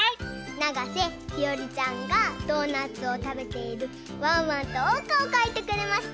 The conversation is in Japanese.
ながせひよりちゃんがドーナツをたべているワンワンとおうかをかいてくれました。